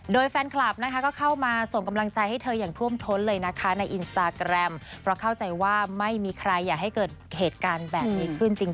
โดยแฟนคลับนะคะก็เข้ามาส่งกำลังใจให้เธออย่างท่วมท้นเลยนะคะในอินสตาแกรมเพราะเข้าใจว่าไม่มีใครอยากให้เกิดเหตุการณ์แบบนี้ขึ้นจริง